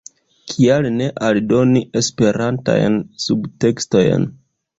Kial ne aldoni Esperantajn subtekstojn?